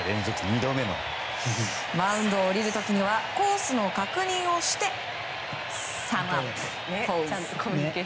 マウンドを降りる時にはコースの確認をしてサムアップ。